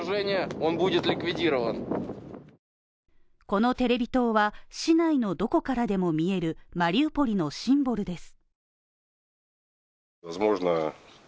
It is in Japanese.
このテレビ塔は、市内のどこからでも見えるマリウポリのシンボルです。